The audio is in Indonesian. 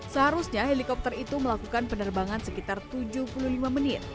seharusnya helikopter itu melakukan penerbangan sekitar tujuh puluh lima menit